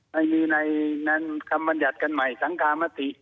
ในนี้คำบรรยัติกันใหม่สังคามติ